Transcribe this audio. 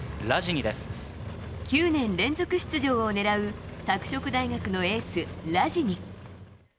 ９年連続出場を狙う拓殖大学のエース、ラジニ。